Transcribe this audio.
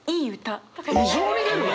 異常に出るわ！